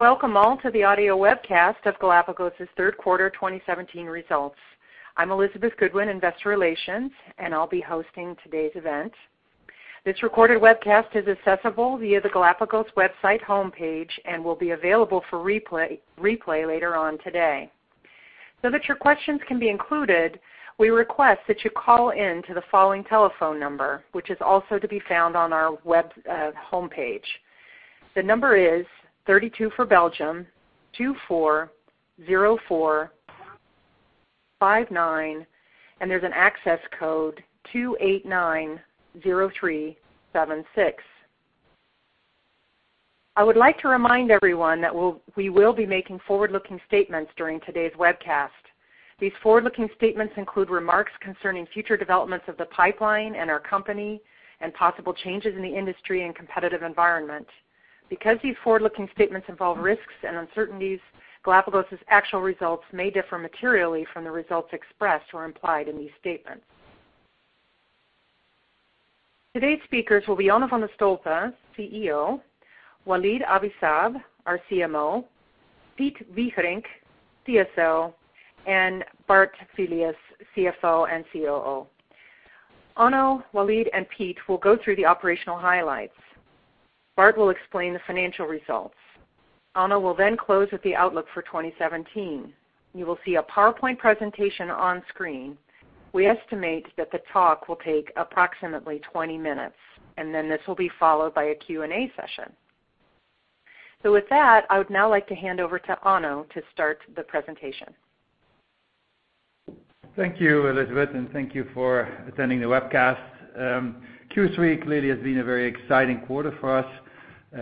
Welcome all to the audio webcast of Galapagos's third quarter 2017 results. I'm Elizabeth Goodwin, investor relations, and I'll be hosting today's event. This recorded webcast is accessible via the Galapagos website homepage and will be available for replay later on today. That your questions can be included, we request that you call in to the following telephone number, which is also to be found on our web homepage. The number is 32 for Belgium, 240459, and there's an access code, 2890376. I would like to remind everyone that we will be making forward-looking statements during today's webcast. These forward-looking statements include remarks concerning future developments of the pipeline and our company, and possible changes in the industry and competitive environment. Because these forward-looking statements involve risks and uncertainties, Galapagos's actual results may differ materially from the results expressed or implied in these statements. Today's speakers will be Onno van de Stolpe, CEO, Walid Abi-Saab, our CMO, Piet Wigerinck, CSO, and Bart Filius, CFO and COO. Onno, Walid, and Piet will go through the operational highlights. Bart will explain the financial results. Onno will close with the outlook for 2017. You will see a PowerPoint presentation on screen. We estimate that the talk will take approximately 20 minutes, and then this will be followed by a Q&A session. With that, I would now like to hand over to Onno to start the presentation. Thank you, Elizabeth, and thank you for attending the webcast. Q3 clearly has been a very exciting quarter for us,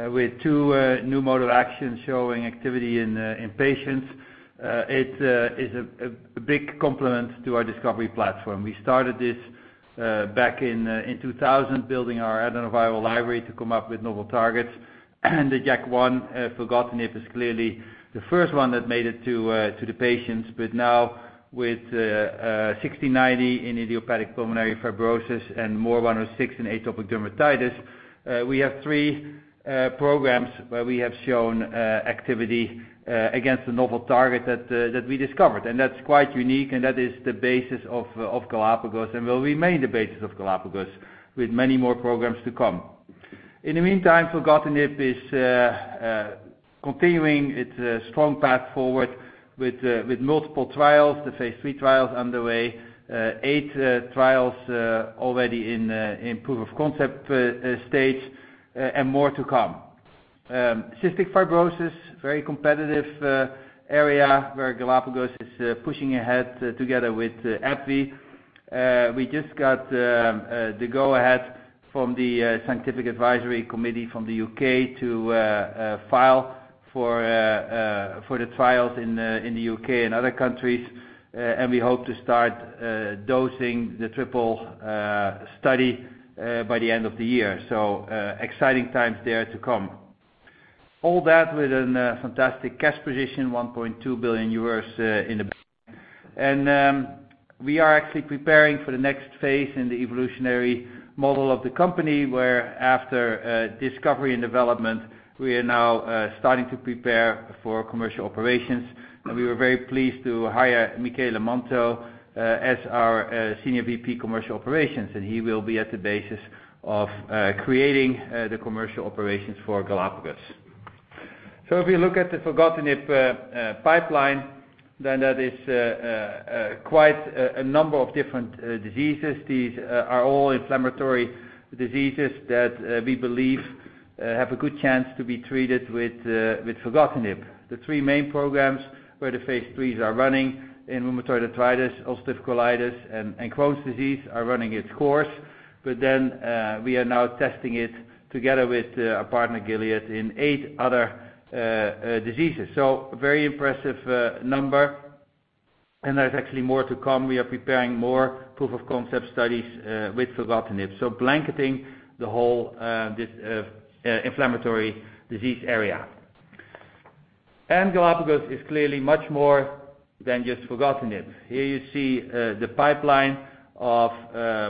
with two new modal actions showing activity in patients. It is a big complement to our discovery platform. We started this back in 2000, building our adenoviral library to come up with novel targets. The JAK1, filgotinib, is clearly the first one that made it to the patients. But now with GLPG1690 in idiopathic pulmonary fibrosis and MOR106 in atopic dermatitis, we have three programs where we have shown activity against the novel target that we discovered. That's quite unique, and that is the basis of Galapagos and will remain the basis of Galapagos with many more programs to come. In the meantime, filgotinib is continuing its strong path forward with multiple trials. The phase III trial's underway, eight trials already in proof of concept stage, and more to come. Cystic fibrosis, very competitive area where Galapagos is pushing ahead together with AbbVie. We just got the go-ahead from the scientific advisory committee from the U.K. to file for the trials in the U.K. and other countries. We hope to start dosing the triple study by the end of the year. Exciting times there to come. All that with a fantastic cash position, 1.2 billion euros. We are actually preparing for the next phase in the evolutionary model of the company, where after discovery and development, we are now starting to prepare for commercial operations. We were very pleased to hire Michele Manto as our Senior VP Commercial Operations, and he will be at the basis of creating the commercial operations for Galapagos. If you look at the filgotinib pipeline, then that is quite a number of different diseases. These are all inflammatory diseases that we believe have a good chance to be treated with filgotinib. The 3 main programs where the phase III's are running in rheumatoid arthritis, ulcerative colitis, and Crohn's disease are running its course. We are now testing it together with our partner, Gilead, in 8 other diseases. A very impressive number. There's actually more to come. We are preparing more proof of concept studies with filgotinib. Blanketing the whole inflammatory disease area. Galapagos is clearly much more than just filgotinib. Here you see the pipeline of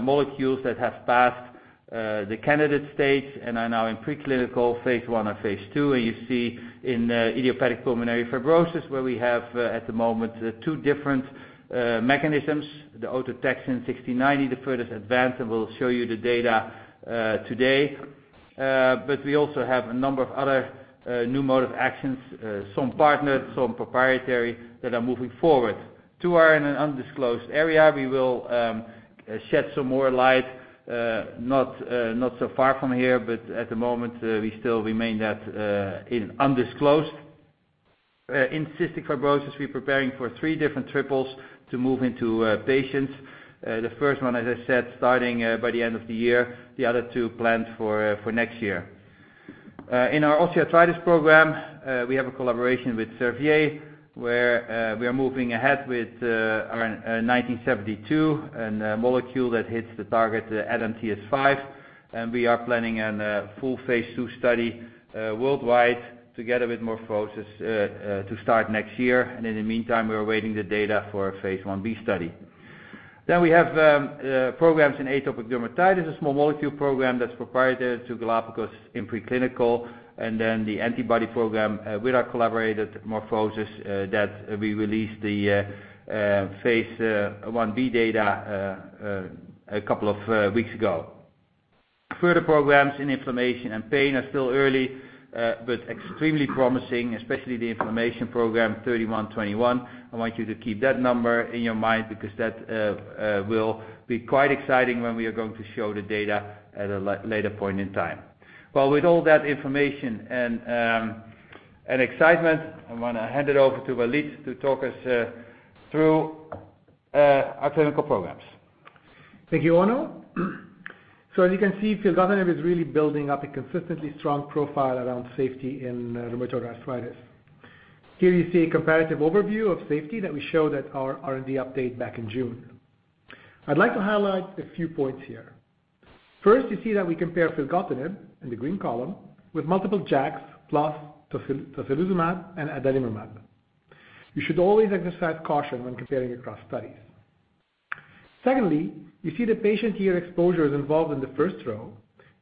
molecules that have passed the candidate stage and are now in preclinical phase I or phase II. You see in idiopathic pulmonary fibrosis, where we have at the moment 2 different mechanisms. The autotaxin GLPG1690, the furthest advanced. We'll show you the data today. We also have a number of other new mode of actions, some partnered, some proprietary, that are moving forward. 2 are in an undisclosed area. We will shed some more light not so far from here, but at the moment, we still remain that in undisclosed. In cystic fibrosis, we're preparing for 3 different triples to move into patients. The first one, as I said, starting by the end of the year, the other 2 planned for next year. In our osteoarthritis program, we have a collaboration with Servier, where we are moving ahead with GLPG1972 and a molecule that hits the target ADAMTS-5. We are planning on a full phase II study worldwide together with MorphoSys to start next year. In the meantime, we are awaiting the data for our phase I-B study. We have programs in atopic dermatitis, a small molecule program that's proprietary to Galapagos in preclinical, and then the antibody program with our collaborator, MorphoSys, that we released the Phase I-B data a couple of weeks ago. Further programs in inflammation and pain are still early, but extremely promising, especially the inflammation program GLPG3121. I want you to keep that number in your mind because that will be quite exciting when we are going to show the data at a later point in time. With all that information and excitement, I'm going to hand it over to Walid to talk us through our clinical programs. Thank you, Onno. As you can see, filgotinib is really building up a consistently strong profile around safety in rheumatoid arthritis. Here you see a comparative overview of safety that we showed at our R&D update back in June. I'd like to highlight a few points here. First, you see that we compare filgotinib in the green column with multiple JAKs, plus tocilizumab and adalimumab. You should always exercise caution when comparing across studies. Secondly, you see the patient year exposure is involved in the first row.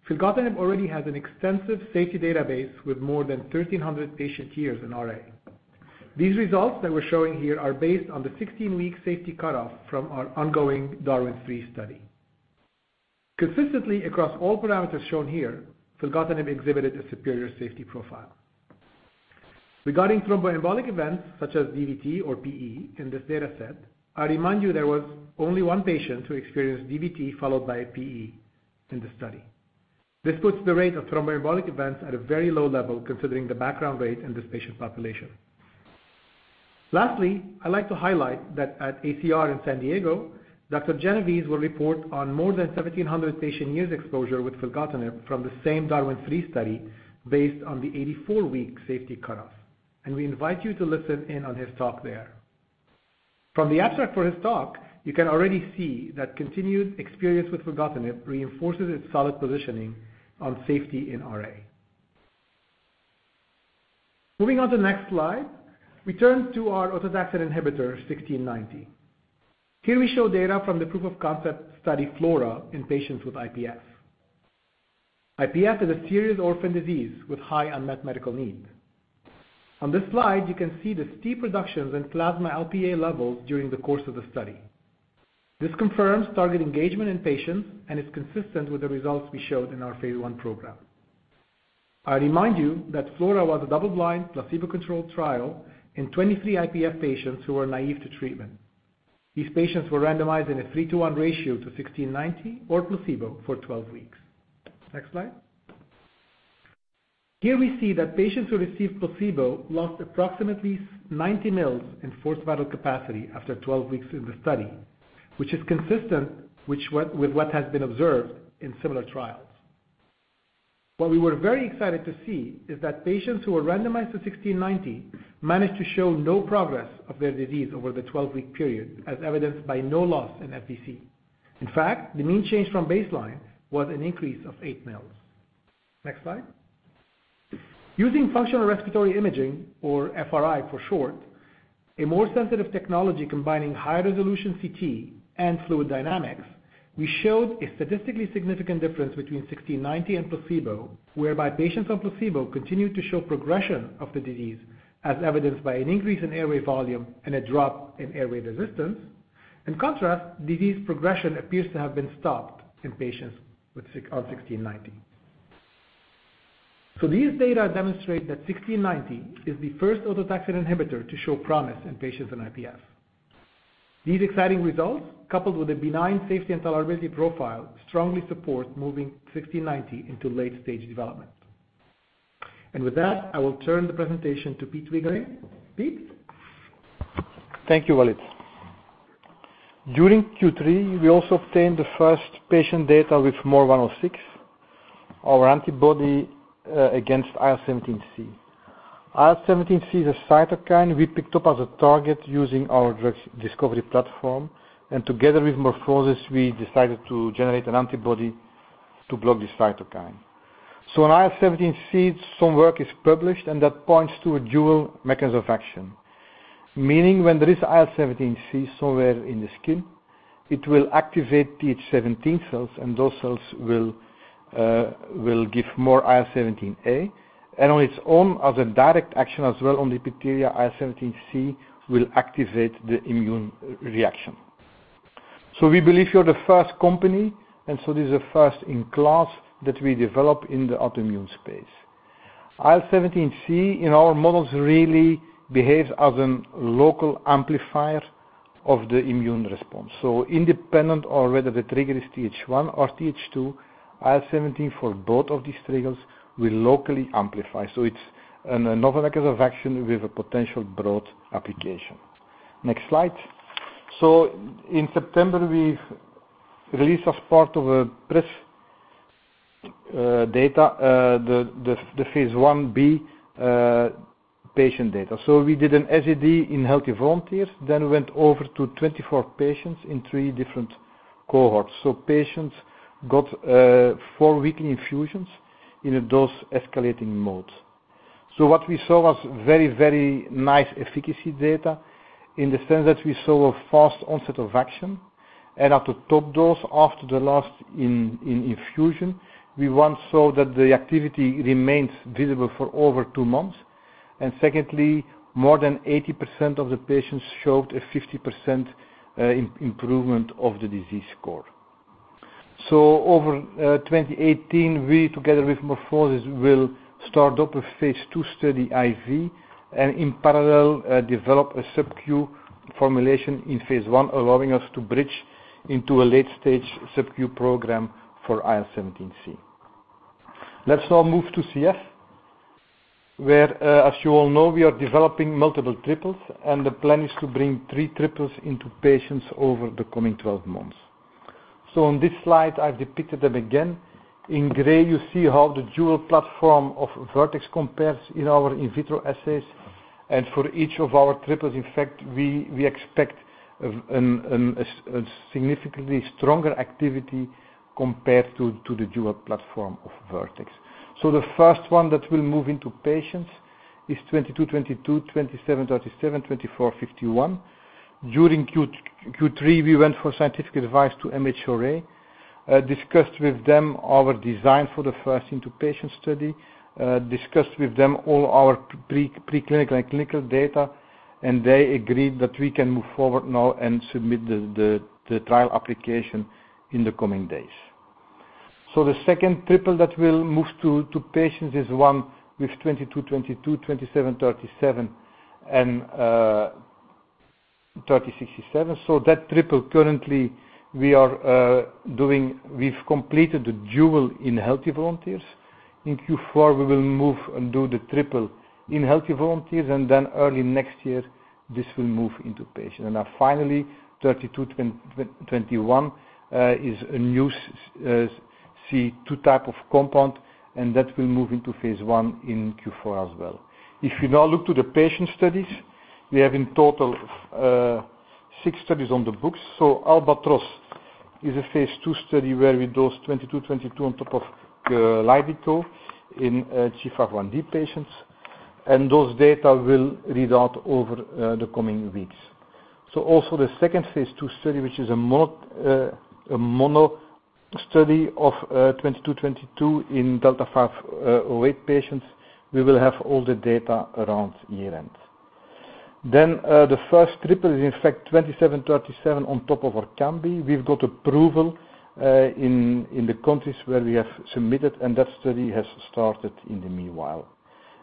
Filgotinib already has an extensive safety database with more than 1,300 patient years in RA. These results that we're showing here are based on the 16-week safety cutoff from our ongoing DARWIN 3 study. Consistently across all parameters shown here, filgotinib exhibited a superior safety profile. Regarding thromboembolic events, such as DVT or PE in this data set, I remind you there was only one patient who experienced DVT followed by a PE in the study. This puts the rate of thromboembolic events at a very low level, considering the background rate in this patient population. Lastly, I'd like to highlight that at ACR in San Diego, Dr. Genovese will report on more than 1,700 patient years exposure with filgotinib from the same DARWIN 3 study based on the 84-week safety cutoff. We invite you to listen in on his talk there. From the abstract for his talk, you can already see that continued experience with filgotinib reinforces its solid positioning on safety in RA. Moving on to the next slide, we turn to our autotaxin inhibitor 1690. Here we show data from the proof of concept study FLORA in patients with IPF. IPF is a serious orphan disease with high unmet medical need. On this slide, you can see the steep reductions in plasma LPA levels during the course of the study. This confirms target engagement in patients and is consistent with the results we showed in our phase I program. I remind you that FLORA was a double-blind, placebo-controlled trial in 23 IPF patients who were naive to treatment. These patients were randomized in a three to one ratio to 1690 or placebo for 12 weeks. Next slide. Here we see that patients who received placebo lost approximately 90 mils in forced vital capacity after 12 weeks in the study, which is consistent with what has been observed in similar trials. What we were very excited to see is that patients who were randomized to 1690 managed to show no progress of their disease over the 12-week period, as evidenced by no loss in FVC. In fact, the mean change from baseline was an increase of eight mils. Next slide. Using functional respiratory imaging, or FRI for short, a more sensitive technology combining high-resolution CT and fluid dynamics, we showed a statistically significant difference between 1690 and placebo, whereby patients on placebo continued to show progression of the disease, as evidenced by an increase in airway volume and a drop in airway resistance. In contrast, disease progression appears to have been stopped in patients on 1690. These data demonstrate that 1690 is the first autotaxin inhibitor to show promise in patients in IPF. These exciting results, coupled with a benign safety and tolerability profile, strongly support moving 1690 into late-stage development. With that, I will turn the presentation to Piet Wigerinck. Piet? Thank you, Walid. During Q3, we also obtained the first patient data with MOR106, our antibody against IL-17C. IL-17C is a cytokine we picked up as a target using our drug discovery platform, and together with MorphoSys, we decided to generate an antibody to block this cytokine. On IL-17C, some work is published and that points to a dual mechanism of action, meaning when there is IL-17C somewhere in the skin, it will activate Th17 cells, and those cells will give more IL-17A. On its own, as a direct action as well on the epithelia, IL-17C will activate the immune reaction. We believe we are the first company, and this is a first in class that we develop in the autoimmune space. IL-17C in our models really behaves as a local amplifier of the immune response. Independent or whether the trigger is Th1 or Th2, IL-17 for both of these triggers will locally amplify. It's another mechanism of action with a potential broad application. Next slide. In September, we released as part of a press data, the phase I-B patient data. We did an SAD in healthy volunteers, then went over to 24 patients in three different cohorts. Patients got 4-week infusions in a dose-escalating mode. What we saw was very nice efficacy data in the sense that we saw a fast onset of action. At the top dose, after the last infusion, we once saw that the activity remains visible for over two months. Secondly, more than 80% of the patients showed a 50% improvement of the disease score. Over 2018, we together with MorphoSys, will start up a phase II study IV, and in parallel, develop a subcu formulation in phase I, allowing us to bridge into a late stage subcu program for IL-17C. Let's now move to CF, where, as you all know, we are developing multiple triples, and the plan is to bring three triples into patients over the coming 12 months. On this slide, I've depicted them again. In gray, you see how the dual platform of Vertex compares in our in vitro assays. For each of our triples, in fact, we expect a significantly stronger activity compared to the dual platform of Vertex. The first one that will move into patients is 22-22, 27-37, 24-51. During Q3, we went for scientific advice to MHRA, discussed with them our design for the first into patient study. Discussed with them all our pre-clinical and clinical data, and they agreed that we can move forward now and submit the trial application in the coming days. The second triple that will move to patients is one with 22-22, 27-37, and 30-67. That triple currently we've completed the dual in healthy volunteers. In Q4, we will move and do the triple in healthy volunteers, and then early next year, this will move into patients. Finally, 32-21 is a new C2 type of compound, and that will move into phase I in Q4 as well. If you now look to the patient studies, we have in total six studies on the books. ALBATROSS is a phase II study where we dose 22-22 on top of Kalydeco in G551D patients, and those data will read out over the coming weeks. Also the second phase II study, which is a mono study of 22-22 in F508del patients. We will have all the data around year-end. The first triple is in fact 27-37 on top of ORKAMBI. We've got approval, in the countries where we have submitted, and that study has started in the meanwhile.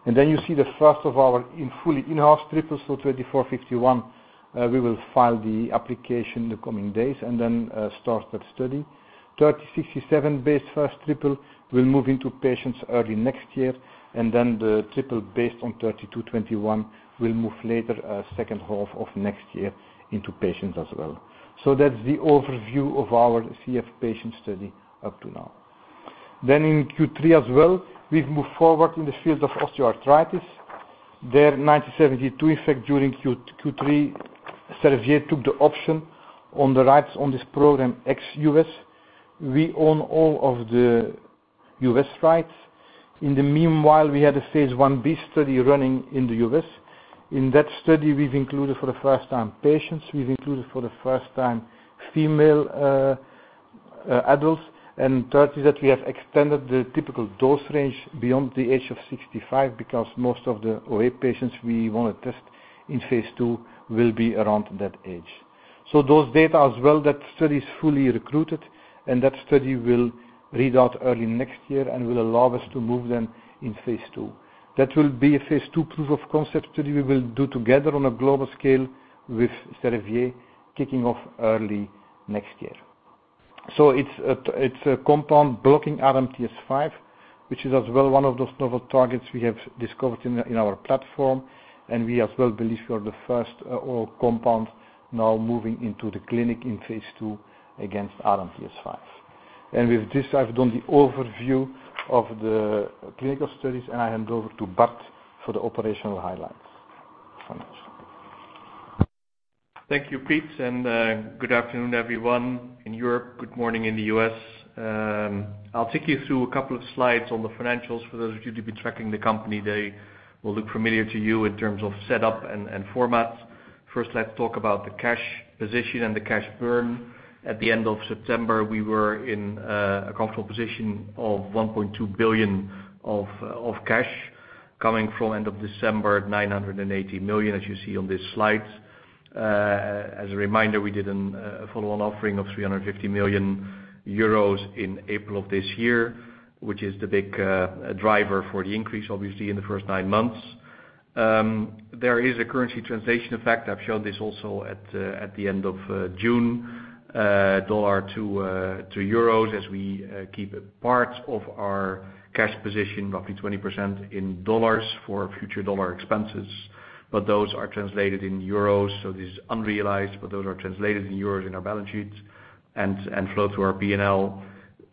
You see the first of our in full in-house triple. 24-51, we will file the application in the coming days and then start that study. 30-67 base first triple will move into patients early next year, and then the triple based on 32-21 will move later, second half of next year into patients as well. That's the overview of our CF patient study up to now. In Q3 as well, we've moved forward in the field of osteoarthritis. There 1972 in fact during Q3, Servier took the option on the rights on this program ex U.S. We own all of the U.S. rights. In the meanwhile, we had a phase I-B study running in the U.S. In that study, we've included for the first time patients, we've included for the first time female adults, and third is that we have extended the typical dose range beyond the age of 65 because most of the OA patients we want to test in phase II will be around that age. Those data as well, that study is fully recruited, and that study will read out early next year and will allow us to move then in phase II. That will be a phase II proof of concept study we will do together on a global scale with Servier kicking off early next year. It's a compound blocking ADAMTS-5, which is as well one of those novel targets we have discovered in our platform, and we as well believe we are the first oral compound now moving into the clinic in phase II against ADAMTS-5. With this, I've done the overview of the clinical studies, and I hand over to Bart for the operational highlights. Finance. Thank you, Piet, and good afternoon, everyone in Europe. Good morning in the U.S. I'll take you through a couple of slides on the financials. For those of you who've been tracking the company, they will look familiar to you in terms of setup and format. First, let's talk about the cash position and the cash burn. At the end of September, we were in a comfortable position of 1.2 billion of cash coming from end of December, 980 million, as you see on this slide. As a reminder, we did a follow-on offering of 350 million euros in April of this year, which is the big driver for the increase, obviously, in the first nine months. There is a currency translation effect. I've shown this also at the end of June. USD to EUR as we keep a part of our cash position, roughly 20% in USD for future USD expenses. Those are translated in EUR, so this is unrealized. Those are translated in EUR in our balance sheets and flow through our P&L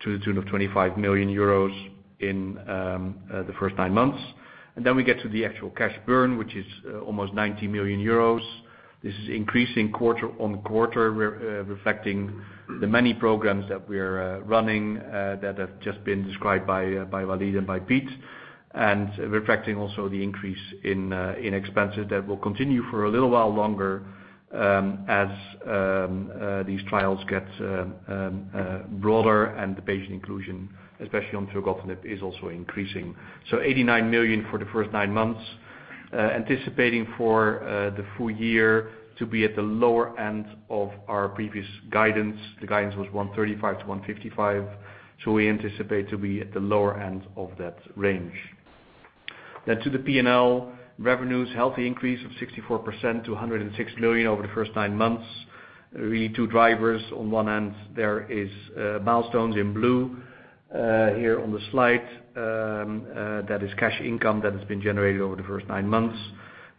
to the tune of 25 million euros in the first nine months. We get to the actual cash burn, which is almost 90 million euros. This is increasing quarter-on-quarter. We are reflecting the many programs that we are running that have just been described by Walid and by Piet, reflecting also the increase in expenses that will continue for a little while longer as these trials get broader and the patient inclusion, especially on filgotinib, is also increasing. 89 million for the first nine months. Anticipating for the full year to be at the lower end of our previous guidance. The guidance was 135 million-155 million, we anticipate to be at the lower end of that range. To the P&L revenues, healthy increase of 64% to 106 million over the first nine months. Really two drivers. On one end, there is milestones in blue here on the slide. That is cash income that has been generated over the first nine months.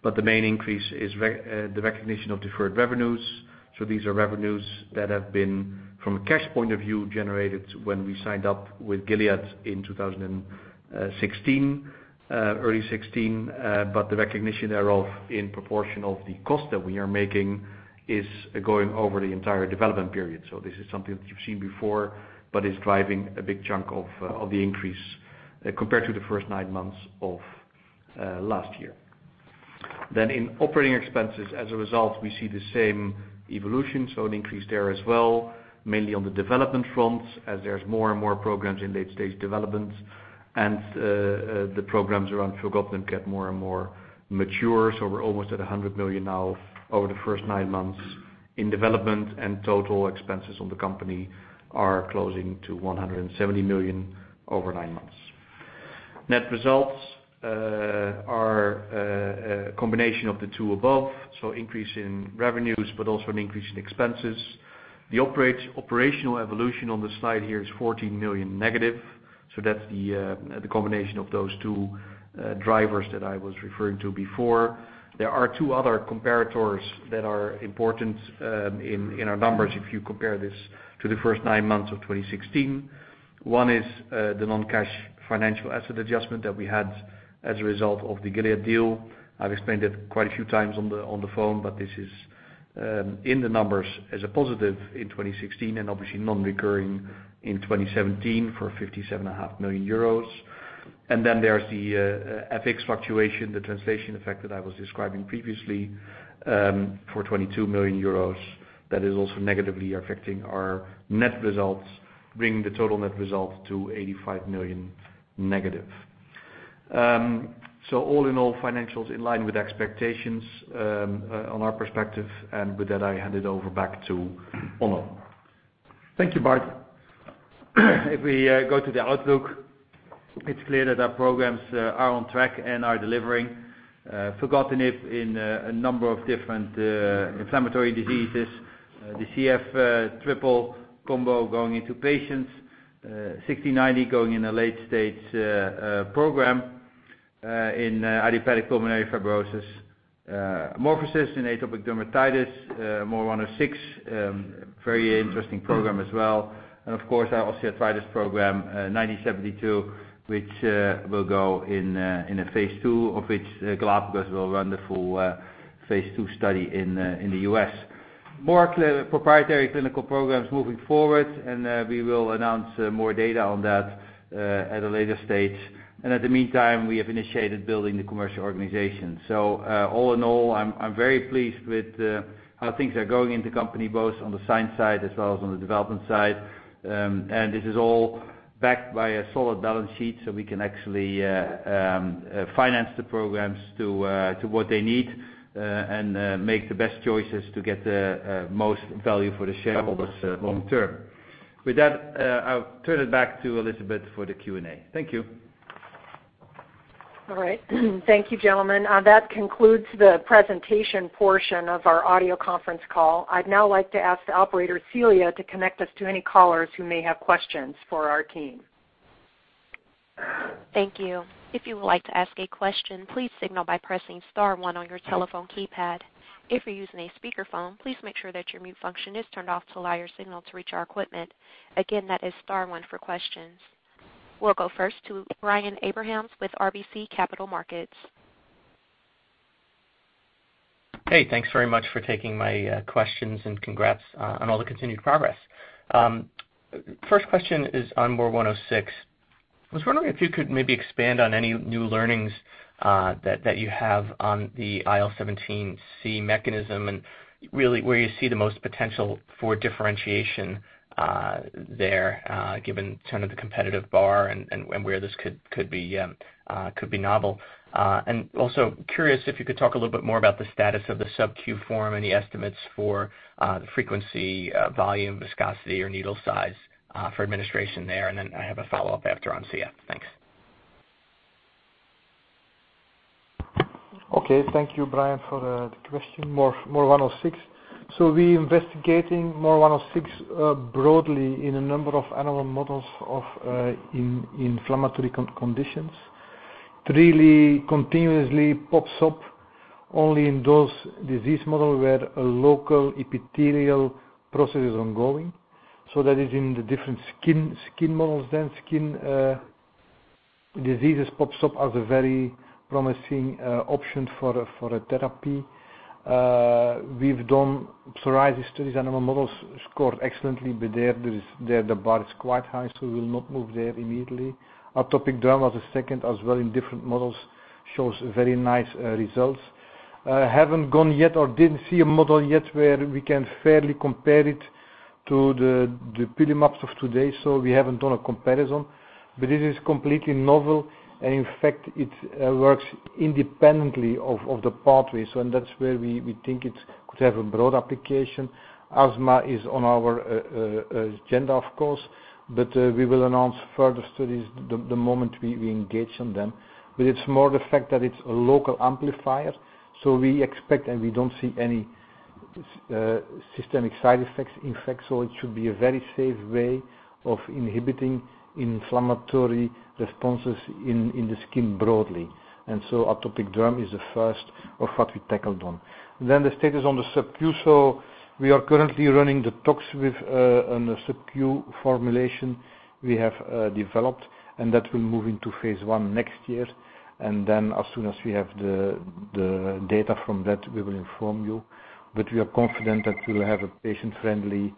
The main increase is the recognition of deferred revenues. These are revenues that have been, from a cash point of view, generated when we signed up with Gilead in early 2016. The recognition thereof, in proportion of the cost that we are making, is going over the entire development period. This is something that you have seen before, is driving a big chunk of the increase compared to the first nine months of last year. In operating expenses, as a result, we see the same evolution, an increase there as well, mainly on the development fronts as there is more and more programs in late-stage development and the programs around filgotinib get more and more mature. We are almost at 100 million now over the first nine months in development, and total expenses on the company are closing to 170 million over nine months. Net results are a combination of the two above, increase in revenues but also an increase in expenses. The operational evolution on the slide here is 14 million negative. That is the combination of those two drivers that I was referring to before. There are two other comparators that are important in our numbers, if you compare this to the first nine months of 2016. One is the non-cash financial asset adjustment that we had as a result of the Gilead deal. I have explained it quite a few times on the phone, this is in the numbers as a positive in 2016 and obviously non-recurring in 2017 for 57.5 million euros. There is the FX fluctuation, the translation effect that I was describing previously, for 22 million euros that is also negatively affecting our net results, bringing the total net result to 85 million negative. All in all, financials in line with expectations on our perspective. With that, I hand it over back to Onno. Thank you, Bart. If we go to the outlook, it's clear that our programs are on track and are delivering filgotinib in a number of different inflammatory diseases. The CF triple combo going into patients. GLPG1690 going in a late-stage program in idiopathic pulmonary fibrosis. MorphoSys in atopic dermatitis. MOR106, very interesting program as well. Of course, our osteoarthritis program, 1972, which will go in a phase II, of which Galapagos will run the full phase II study in the U.S. More proprietary clinical programs moving forward, and we will announce more data on that at a later stage. At the meantime, we have initiated building the commercial organization. All in all, I'm very pleased with how things are going in the company, both on the science side as well as on the development side. This is all backed by a solid balance sheet, we can actually finance the programs to what they need and make the best choices to get the most value for the shareholders long term. With that, I'll turn it back to Elizabeth for the Q&A. Thank you. All right. Thank you, gentlemen. That concludes the presentation portion of our audio conference call. I'd now like to ask the operator, Celia, to connect us to any callers who may have questions for our team. Thank you. If you would like to ask a question, please signal by pressing star one on your telephone keypad. If you're using a speakerphone, please make sure that your mute function is turned off to allow your signal to reach our equipment. Again, that is star one for questions. We'll go first to Brian Abrahams with RBC Capital Markets. Thanks very much for taking my questions and congrats on all the continued progress. First question is on MOR106. I was wondering if you could maybe expand on any new learnings that you have on the IL-17C mechanism and really where you see the most potential for differentiation there, given the competitive bar and where this could be novel. Also curious if you could talk a little bit more about the status of the subcu form and the estimates for the frequency, volume, viscosity, or needle size for administration there. I have a follow-up after on CF. Thanks. Okay. Thank you, Brian, for the question. MOR106. We're investigating MOR106 broadly in a number of animal models in inflammatory conditions. It really continuously pops up only in those disease model where a local epithelial process is ongoing. That is in the different skin models then, skin Diseases pops up as a very promising option for a therapy. We've done psoriasis studies, animal models scored excellently, there, the bar is quite high, we'll not move there immediately. Atopic dermatitis is second as well in different models, shows very nice results. Haven't gone yet or didn't see a model yet where we can fairly compare it to the dupilumab of today, we haven't done a comparison. It is completely novel, in fact, it works independently of the pathways, that's where we think it could have a broad application. Asthma is on our agenda, of course, we will announce further studies the moment we engage on them. It's more the fact that it's a local amplifier. We expect and we don't see any systemic side effects, in fact. It should be a very safe way of inhibiting inflammatory responses in the skin broadly. Atopic dermatitis is the first of what we tackled on. The status on the subcu. We are currently running the talks with on the subcu formulation we have developed, that will move into phase I next year. As soon as we have the data from that, we will inform you. We are confident that we will have a patient-friendly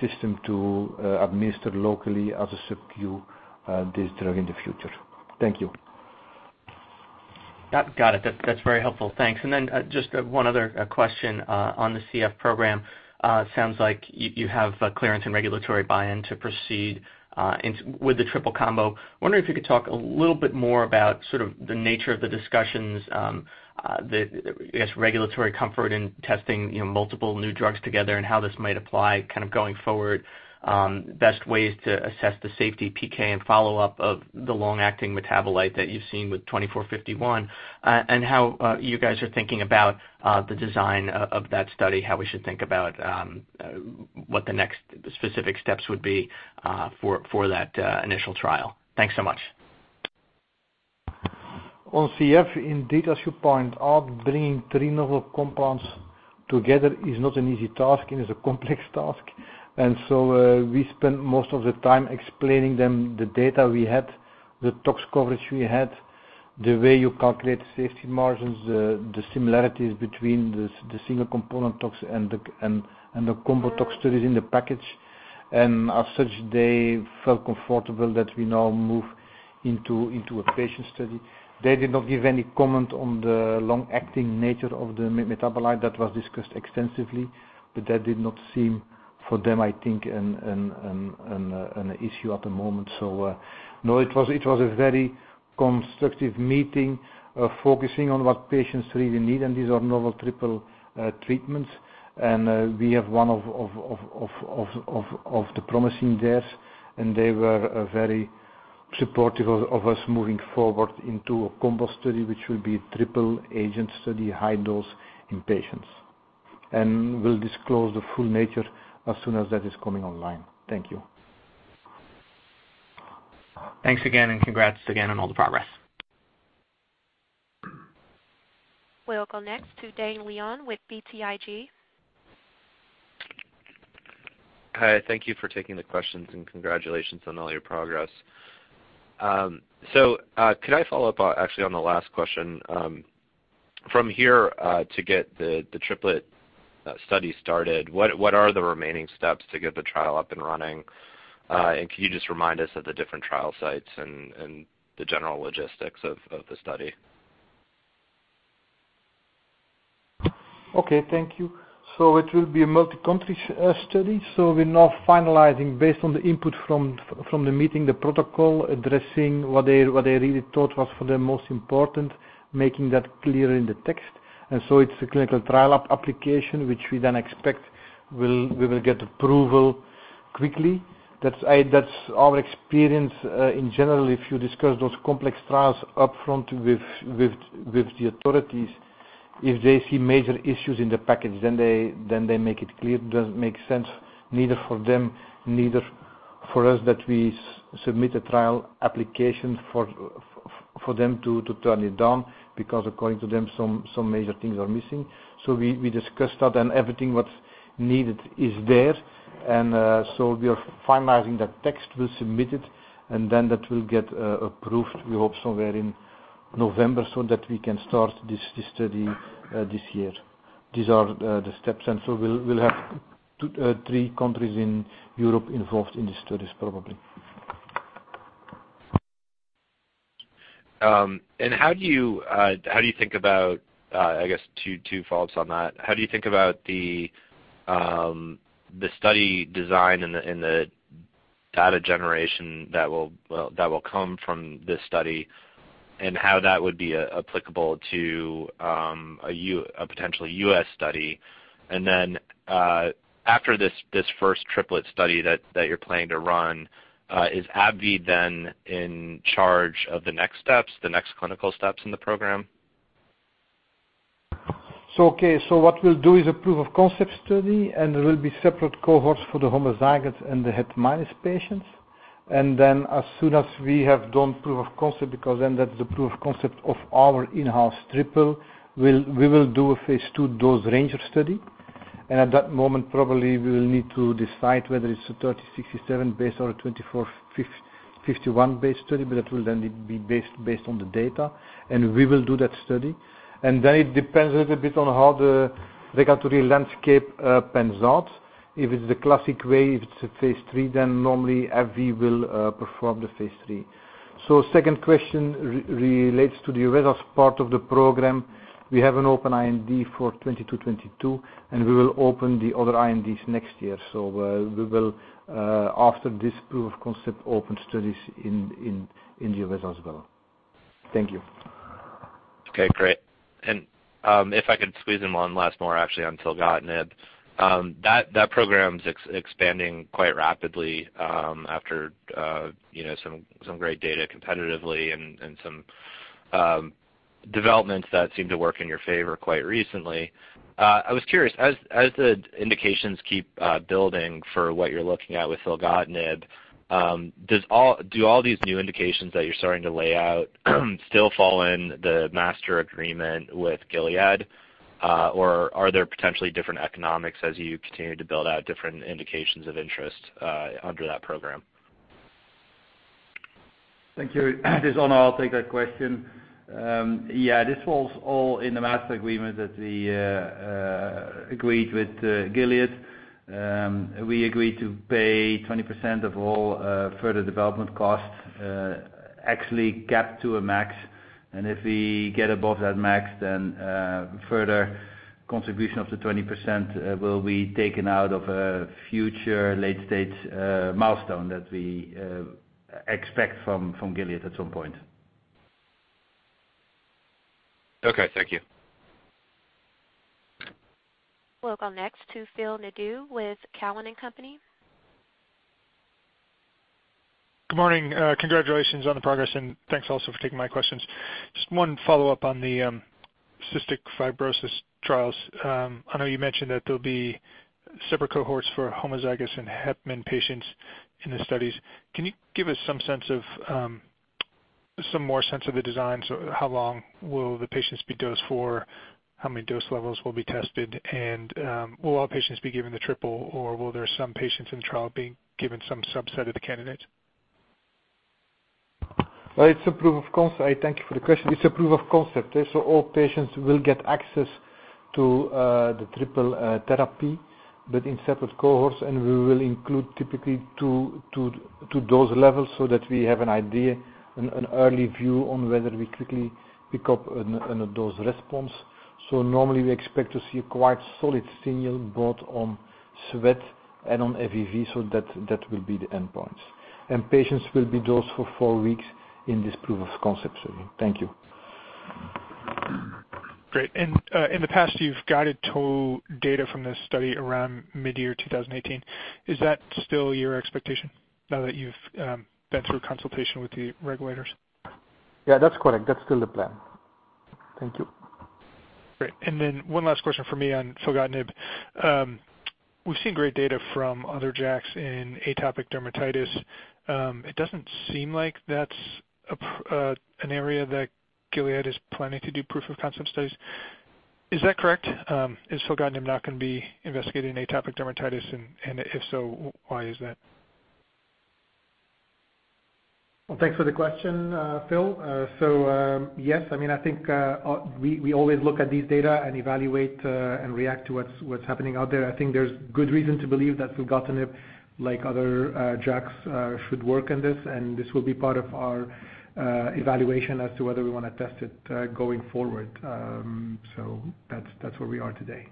system to administer locally as a subcu this drug in the future. Thank you. Got it. That's very helpful. Thanks. Just one other question, on the CF program. It sounds like you have clearance and regulatory buy-in to proceed with the triple combo. Wondering if you could talk a little bit more about sort of the nature of the discussions, the, I guess, regulatory comfort in testing multiple new drugs together and how this might apply kind of going forward, best ways to assess the safety PK and follow-up of the long-acting metabolite that you've seen with 2451, and how you guys are thinking about the design of that study, how we should think about what the next specific steps would be for that initial trial. Thanks so much. On CF, indeed, as you point out, bringing three novel compounds together is not an easy task and is a complex task. We spent most of the time explaining them the data we had, the tox coverage we had, the way you calculate safety margins, the similarities between the single component tox and the combo tox studies in the package. As such, they felt comfortable that we now move into a patient study. They did not give any comment on the long-acting nature of the metabolite. That was discussed extensively, that did not seem for them, I think, an issue at the moment. No, it was a very constructive meeting, focusing on what patients really need, and these are novel triple treatments. We have one of the promising there, they were very supportive of us moving forward into a combo study, which will be triple agent study, high dose in patients. We'll disclose the full nature as soon as that is coming online. Thank you. Thanks again, congrats again on all the progress. We will go next to Dane Leone with BTIG. Hi, thank you for taking the questions and congratulations on all your progress. Can I follow up actually on the last question? From here to get the triplet study started, what are the remaining steps to get the trial up and running? Can you just remind us of the different trial sites and the general logistics of the study? Okay, thank you. It will be a multi-country study. We're now finalizing based on the input from the meeting, the protocol addressing what they really thought was for the most important, making that clear in the text. It's a clinical trial application, which we then expect we will get approval quickly. That's our experience in general. If you discuss those complex trials upfront with the authorities, if they see major issues in the package, then they make it clear it doesn't make sense neither for them, neither for us that we submit a trial application for them to turn it down, because according to them, some major things are missing. We discussed that and everything what's needed is there. We are finalizing that text. We'll submit it, that will get approved, we hope, somewhere in November so that we can start this study this year. These are the steps. We'll have three countries in Europe involved in the studies, probably. How do you think about, I guess two follow-ups on that. How do you think about the study design and the data generation that will come from this study and how that would be applicable to a potential U.S. study? After this first triplet study that you're planning to run, is AbbVie then in charge of the next steps, the next clinical steps in the program? Okay. What we'll do is a proof of concept study, and there will be separate cohorts for the homozygote and the het minus patients. As soon as we have done proof of concept, because then that's the proof of concept of our in-house triple, we will do a phase II dose range study. At that moment, probably we will need to decide whether it's a 3067 base or a 2451 base study, but that will then be based on the data. We will do that study. It depends a little bit on how the regulatory landscape pans out. If it's the classic way, if it's a phase III, then normally AbbVie will perform the phase III. Second question relates to the U.S./E.U. as part of the program. We have an open IND for 2222, and we will open the other INDs next year. We will, after this proof of concept, open studies in the U.S./E.U. as well. Thank you. Okay, great. If I could squeeze in one last more actually on filgotinib. That program's expanding quite rapidly after some great data competitively and some developments that seem to work in your favor quite recently. I was curious, as the indications keep building for what you're looking at with filgotinib, do all these new indications that you're starting to lay out still fall in the master agreement with Gilead? Are there potentially different economics as you continue to build out different indications of interest under that program? Thank you. This is Onno. I'll take that question. Yeah, this falls all in the master agreement that we agreed with Gilead. We agreed to pay 20% of all further development costs, actually capped to a max. If we get above that max, further contribution of the 20% will be taken out of a future late-stage milestone that we expect from Gilead at some point. Okay, thank you. We'll go next to Phil Nadeau with Cowen and Company. Good morning. Congratulations on the progress and thanks also for taking my questions. Just one follow-up on the cystic fibrosis trials. I know you mentioned that there'll be separate cohorts for homozygous and HetM patients in the studies. Can you give us some more sense of the designs? How long will the patients be dosed for, how many dose levels will be tested, and will all patients be given the triple, or will there be some patients in the trial being given some subset of the candidates? Thank you for the question. It's a proof of concept. All patients will get access to the triple therapy, but in separate cohorts. We will include typically two dose levels so that we have an idea, an early view on whether we quickly pick up on a dose response. Normally we expect to see a quite solid signal both on sweat and on FEV. That will be the end points. Patients will be dosed for four weeks in this proof of concept setting. Thank you. Great. In the past, you've guided total data from this study around mid-year 2018. Is that still your expectation now that you've been through consultation with the regulators? Yeah, that's correct. That's still the plan. Thank you. Great. One last question from me on filgotinib. We've seen great data from other JAKs in atopic dermatitis. It doesn't seem like that's an area that Gilead is planning to do proof of concept studies. Is that correct? Is filgotinib not going to be investigated in atopic dermatitis, and if so, why is that? Well, thanks for the question, Phil. Yes, I think we always look at these data and evaluate and react to what's happening out there. I think there's good reason to believe that filgotinib, like other JAKs, should work in this, and this will be part of our evaluation as to whether we want to test it going forward. That's where we are today.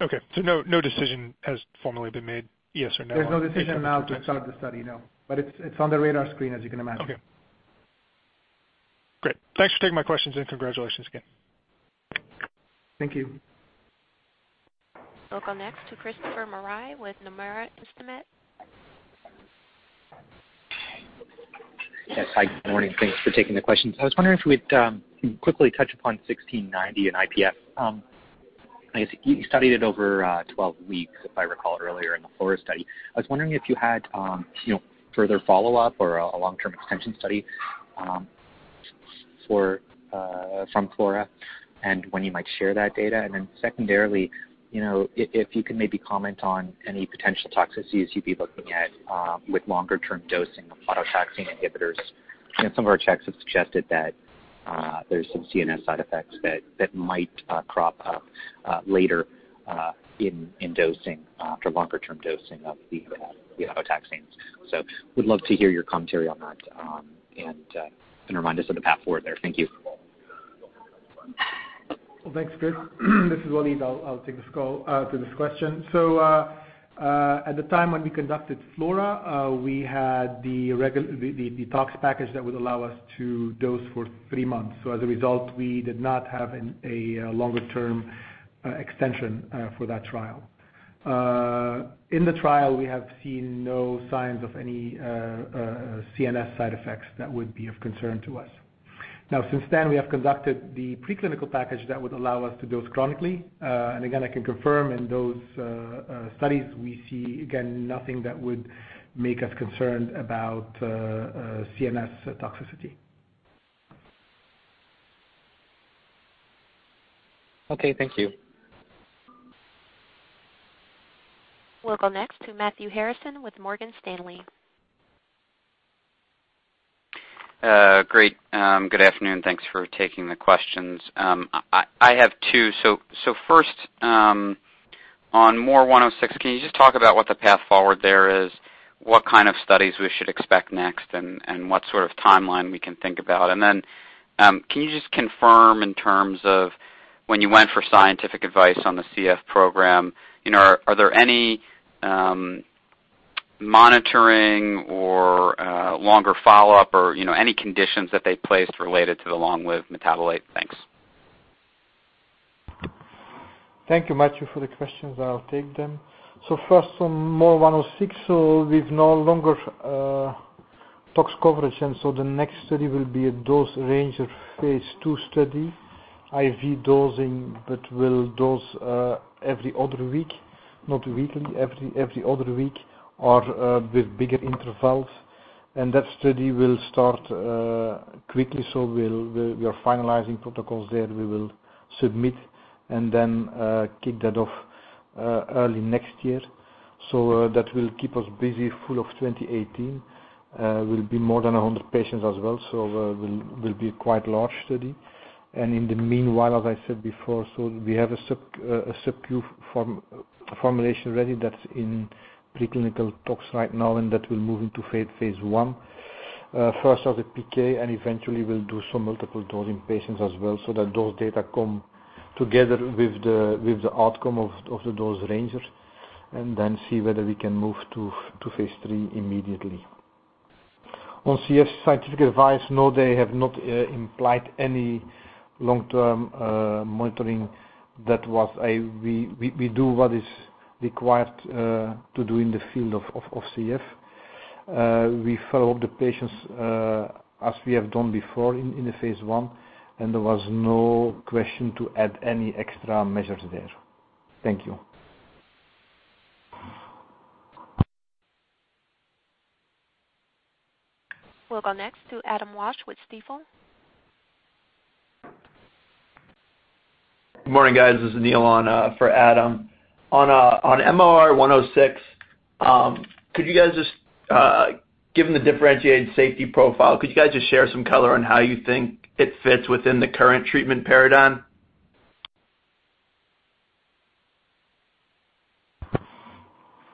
Okay. No decision has formally been made, yes or no- There's no decision now to start the study, no. It's on the radar screen, as you can imagine. Okay. Great. Thanks for taking my questions and congratulations again. Thank you. We'll go next to Christopher Marai with Nomura Instinet. Yes, hi. Good morning. Thanks for taking the questions. I was wondering if you quickly touch upon GLPG1690 and IPF. You studied it over 12 weeks, if I recall earlier in the FLORA study. I was wondering if you had further follow-up or a long-term extension study from FLORA and when you might share that data. Secondarily, if you could maybe comment on any potential toxicities you'd be looking at with longer-term dosing of autotaxin inhibitors. Some of our checks have suggested that there's some CNS side effects that might crop up later in dosing after longer-term dosing of the autotaxins. Would love to hear your commentary on that and remind us of the path forward there. Thank you. Well, thanks, Chris. This is Walid. I'll take this call to this question. At the time when we conducted FLORA, we had the detox package that would allow us to dose for three months. As a result, we did not have a longer-term extension for that trial. In the trial, we have seen no signs of any CNS side effects that would be of concern to us. Now, since then, we have conducted the preclinical package that would allow us to dose chronically. Again, I can confirm in those studies, we see, again, nothing that would make us concerned about CNS toxicity. Okay, thank you. We'll go next to Matthew Harrison with Morgan Stanley. Great. Good afternoon. Thanks for taking the questions. I have two. First, on MOR106, can you just talk about what the path forward there is, what kind of studies we should expect next, and what sort of timeline we can think about? Then, can you just confirm in terms of when you went for scientific advice on the CF program, are there any monitoring or longer follow-up or any conditions that they placed related to the long-lived metabolite? Thanks. Thank you, Matthew, for the questions. I'll take them. First on MOR106. We've no longer tox coverage. The next study will be a dose range of phase II study, IV dosing, We'll dose every other week, not weekly, every other week or with bigger intervals. That study will start quickly. We are finalizing protocols there. We will submit and then kick that off early next year. That will keep us busy full of 2018. Will be more than 100 patients as well, so will be a quite large study. In the meanwhile, as I said before, so we have a sub-Q formulation ready that's in preclinical tox right now, and that will move into phase I. First of the PK, eventually we'll do some multiple dosing patients as well, so that those data come together with the outcome of the dose ranger, then see whether we can move to phase III immediately. On CF scientific advice, no, they have not implied any long-term monitoring. We do what is required to do in the field of CF. We follow up the patients, as we have done before in the phase I, there was no question to add any extra measures there. Thank you. We'll go next to Adam Walsh with Stifel. Good morning, guys. This is Neil on for Adam. On MOR106, given the differentiated safety profile, could you guys just share some color on how you think it fits within the current treatment paradigm?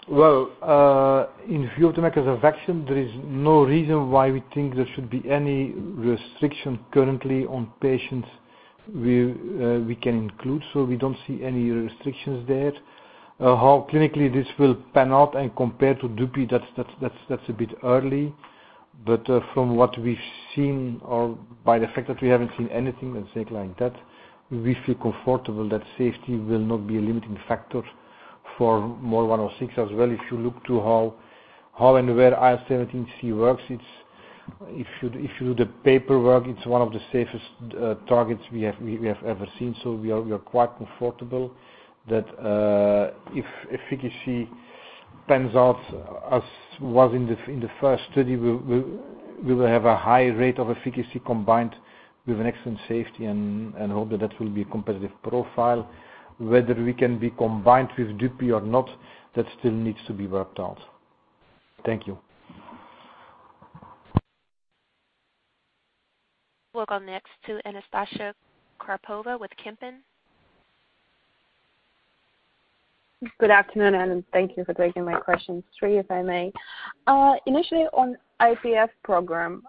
In view of the mechanism of action, there is no reason why we think there should be any restriction currently on patients we can include. We don't see any restrictions there. How clinically this will pan out and compare to DUPIXENT, that's a bit early. From what we've seen, or by the fact that we haven't seen anything and safety like that, we feel comfortable that safety will not be a limiting factor for MOR106 as well. If you look to how and where IL-17C works, if you do the paperwork, it's one of the safest targets we have ever seen. We are quite comfortable that if efficacy pans out as was in the first study, we will have a high rate of efficacy combined with an excellent safety and hope that that will be a competitive profile. Whether we can be combined with DUPIXENT or not, that still needs to be worked out. Thank you. We'll go next to Anastasia Karpova with Kempen. Good afternoon, thank you for taking my questions. Three, if I may. Initially on IPF program,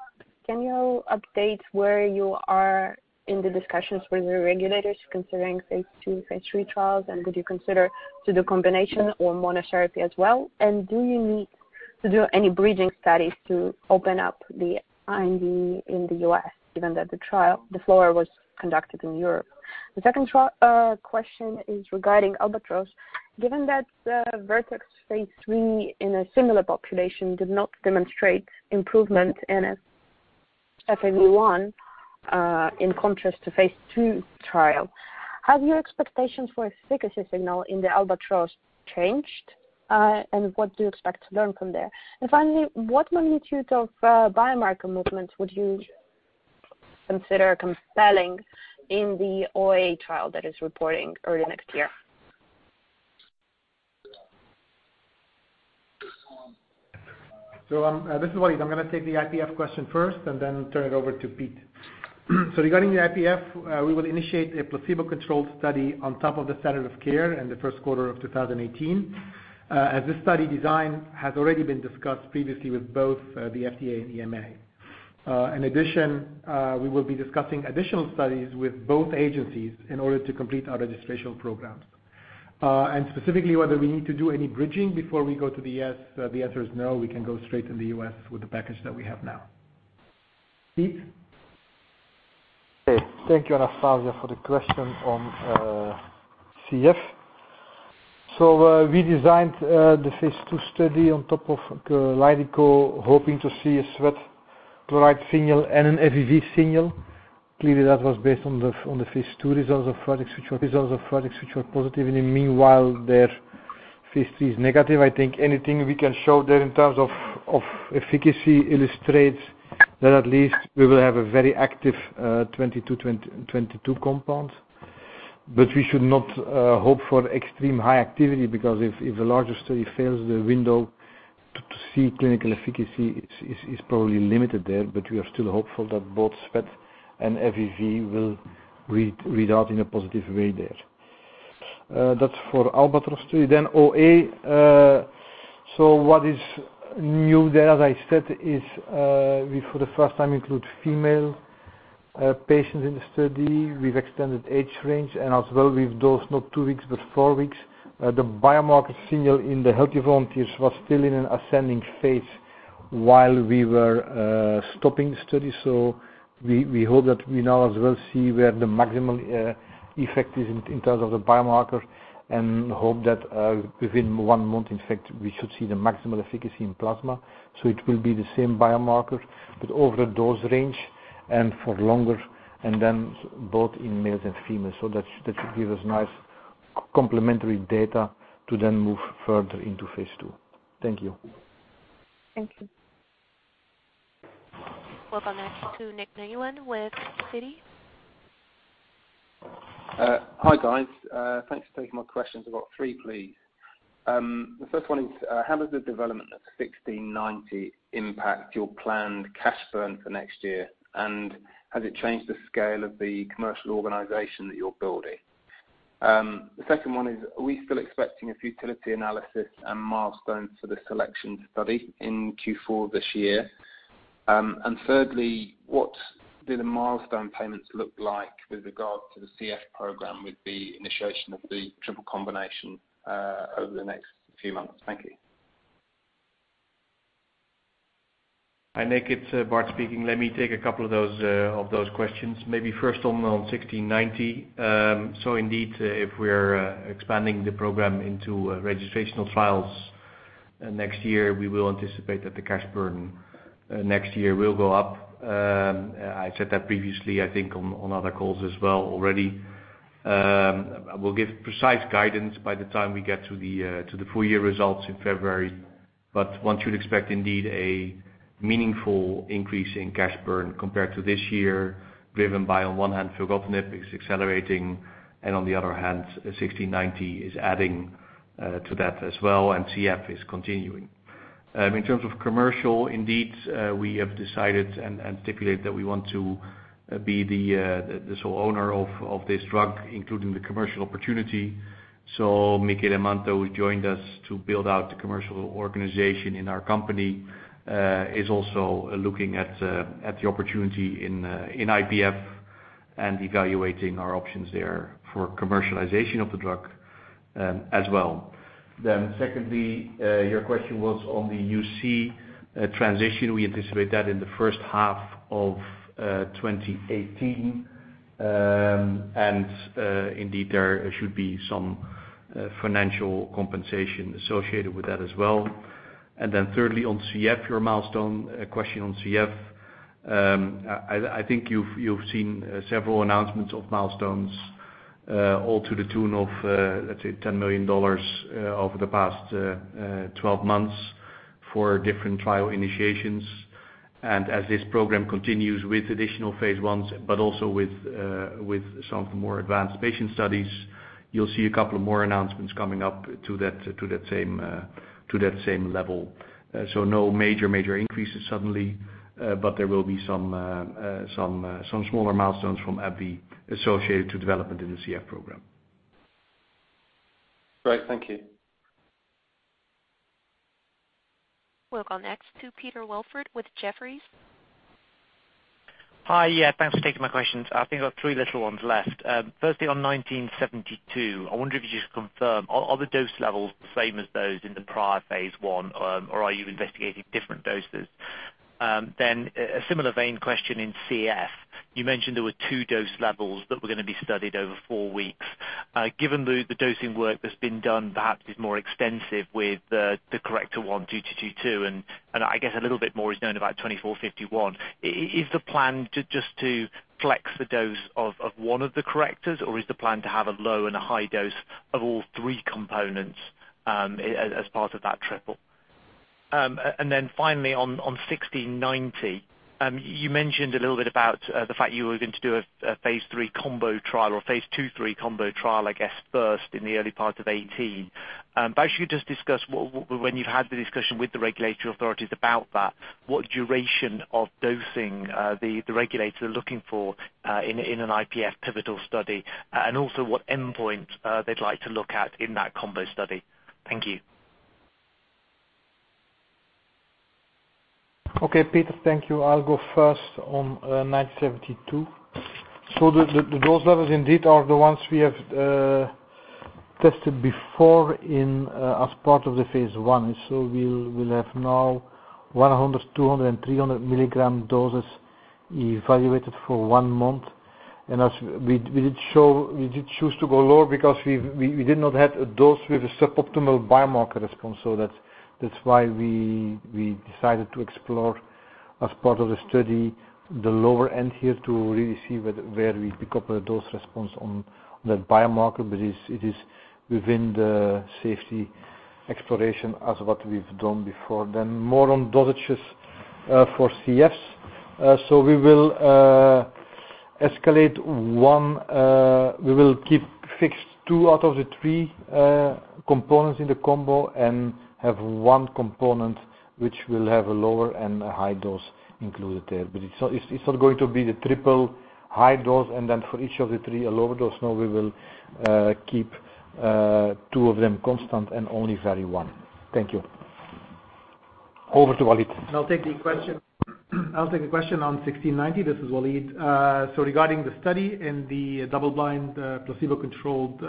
can you update where you are in the discussions with the regulators considering phase II, phase III trials, would you consider to do combination or monotherapy as well? Do you need to do any bridging studies to open up the IND in the U.S., given that the trial, the FLORA was conducted in Europe? The second question is regarding ALBATROSS. Given that Vertex phase III in a similar population did not demonstrate improvement in FEV1, in contrast to phase II trial, have your expectations for efficacy signal in the ALBATROSS changed? What do you expect to learn from there? Finally, what magnitude of biomarker movements would you consider compelling in the OA trial that is reporting early next year? This is Walid. I'm going to take the IPF question first and then turn it over to Piet. Regarding the IPF, we will initiate a placebo-controlled study on top of the standard of care in the first quarter of 2018, as this study design has already been discussed previously with both the FDA and EMA. In addition, we will be discussing additional studies with both agencies in order to complete our registrational programs. Specifically whether we need to do any bridging before we go to the U.S., the answer is no. We can go straight to the U.S. with the package that we have now. Piet? Okay, thank you, Anastasia, for the question on CF. We designed the phase II study on top of Kalydeco, hoping to see a sweat chloride signal and an FEV signal. Clearly, that was based on the phase II results of products which were positive. In the meanwhile, phase III is negative. I think anything we can show there in terms of efficacy illustrates that at least we will have a very active 2222 compound. We should not hope for extreme high activity because if the larger study fails, the window to see clinical efficacy is probably limited there. We are still hopeful that both sweat chloride and FEV will read out in a positive way there. That's for ALBATROSS study. OA, as I said, is we for the first time include female patients in the study with extended age range and as well with those not two weeks but four weeks. The biomarker signal in the healthy volunteers was still in an ascending phase while we were stopping the study. We hope that we now as well see where the maximum effect is in terms of the biomarker and hope that within one month, in fact, we should see the maximal efficacy in plasma. It will be the same biomarker, but over dose range and for longer, and then both in males and females. That should give us nice complementary data to then move further into phase II. Thank you. Thank you. We'll go next to Nick Nguyen with Citi. Hi, guys. Thanks for taking my questions. I've got three, please. The first one is, how does the development of GLPG1690 impact your planned cash burn for next year, and has it changed the scale of the commercial organization that you're building? The second one is, are we still expecting a futility analysis and milestones for the SELECTION study in Q4 this year? Thirdly, what do the milestone payments look like with regard to the CF program with the initiation of the triple combination, over the next few months? Thank you. Hi, Nick, it's Bart speaking. Let me take a couple of those questions. Maybe first on GLPG1690. Indeed, if we're expanding the program into registrational trials next year, we will anticipate that the cash burn next year will go up. I said that previously, I think, on other calls as well already. We'll give precise guidance by the time we get to the full year results in February. One should expect indeed a meaningful increase in cash burn compared to this year, driven by, on one hand, filgotinib is accelerating, and on the other hand, GLPG1690 is adding to that as well and CF is continuing. In terms of commercial, indeed, we have decided and articulated that we want to be the sole owner of this drug, including the commercial opportunity. Michele Manto, who joined us to build out the commercial organization in our company is also looking at the opportunity in IPF and evaluating our options there for commercialization of the drug as well. Secondly, your question was on the UC transition. We anticipate that in the first half of 2018. Indeed, there should be some financial compensation associated with that as well. Thirdly, on CF, your milestone question on CF. I think you've seen several announcements of milestones all to the tune of, let's say, EUR 10 million over the past 12 months for different trial initiations. As this program continues with additional phase I, but also with some of the more advanced patient studies, you'll see a couple of more announcements coming up to that same level. No major increases suddenly, but there will be some smaller milestones from AbbVie associated to development in the CF program. Great. Thank you. We'll go next to Peter Welford with Jefferies. Hi. Yeah, thanks for taking my questions. I think I've three little ones left. Firstly, on GLPG1972, I wonder if you could confirm, are the dose levels the same as those in the prior phase I, or are you investigating different doses? A similar vein question in CF. You mentioned there were 2 dose levels that were going to be studied over four weeks. Given the dosing work that's been done, perhaps is more extensive with the corrector one, GLPG2222, and I guess a little bit more is known about GLPG2451. Is the plan just to flex the dose of one of the correctors, or is the plan to have a low and a high dose of all three components as part of that triple? Finally on GLPG1690. You mentioned a little bit about the fact you were going to do a phase III combo trial or phase II-III combo trial, I guess, first in the early part of 2018. Actually just discuss when you've had the discussion with the regulatory authorities about that, what duration of dosing the regulators are looking for in an IPF pivotal study. Also what endpoint they'd like to look at in that combo study. Thank you. Okay, Peter. Thank you. I'll go first on 1972. The dose levels indeed are the ones we have tested before as part of the phase I. We did choose to go lower because we did not have a dose with a suboptimal biomarker response. That's why we decided to explore as part of the study, the lower end here to really see where we pick up a dose response on that biomarker, but it is within the safety exploration as what we've done before. More on dosages for CF. We will escalate one. We will keep fixed two out of the three components in the combo and have one component which will have a lower and a high dose included there. It's not going to be the triple high dose, and then for each of the three, a lower dose. No, we will keep two of them constant and only vary one. Thank you. Over to Walid. I'll take the question on 1690. This is Walid. Regarding the study in the double-blind, placebo-controlled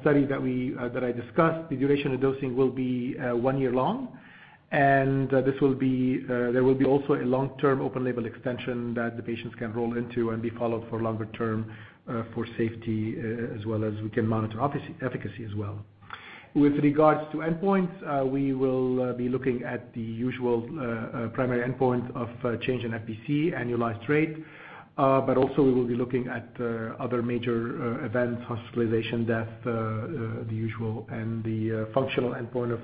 study that I discussed, the duration of dosing will be one year long, and there will be also a long-term open label extension that the patients can roll into and be followed for longer term for safety, as well as we can monitor efficacy as well. With regards to endpoints, we will be looking at the usual primary endpoint of change in FVC annualized rate, but also we will be looking at other major events, hospitalization, death, the usual, and the functional endpoint of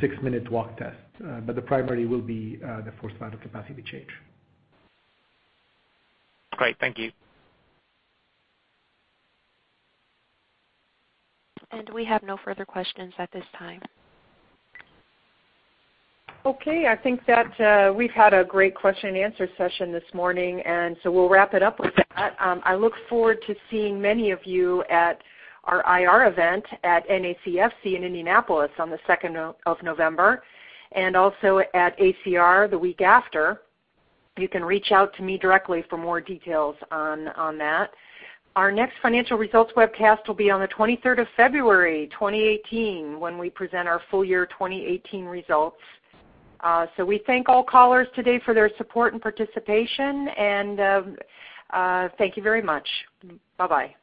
six-minute walk test. The primary will be the forced vital capacity change. Great. Thank you. We have no further questions at this time. Okay. I think that we've had a great question and answer session this morning. We'll wrap it up with that. I look forward to seeing many of you at our IR event at NACFC in Indianapolis on the 2nd of November, at ACR the week after. You can reach out to me directly for more details on that. Our next financial results webcast will be on the 23rd of February 2018, when we present our full year 2018 results. We thank all callers today for their support and participation, and thank you very much. Bye-bye